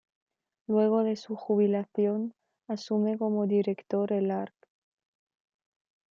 Luego de su jubilación asume como director el arq.